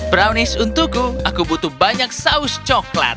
brownies untukku aku butuh banyak saus coklat